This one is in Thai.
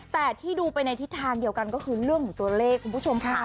แต่ที่ดูไปในทิศทางเดียวกันก็คือเรื่องของตัวเลขคุณผู้ชมค่ะ